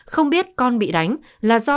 không biết con bị đánh là do